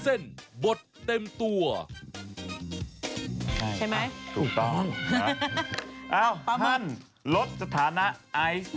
เอ้าฮั่นลดฐานะไอซ์